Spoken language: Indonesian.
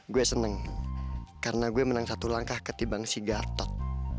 gue seneng karena gue menang satu langkah ketimbang si gatot